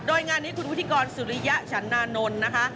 โดยงานนี้คุณวิธีกรสุริยชันนานนท์